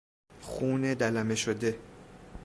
خون دلمه شده